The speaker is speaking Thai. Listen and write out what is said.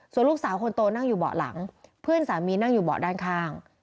ส่วนลูกสาวคนโตนั่งอยู่เบาะหลังเพื่อนสามีนั่งอยู่เบาะด้านข้าง